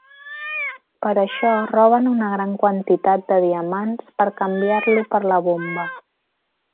Per això, roben una gran quantitat de diamants per a canviar-lo per la bomba.